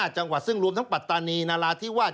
จังหวัดซึ่งรวมทั้งปัตตานีนาราธิวาส